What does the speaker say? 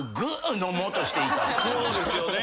そうですよね。